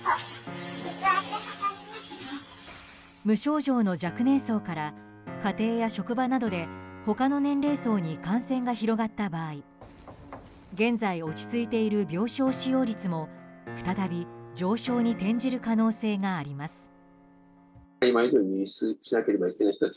無症状の若年層から家庭や職場などで他の年齢層に感染が広がった場合現在落ち着いている病床使用率も再び、上昇に転じる可能性があります。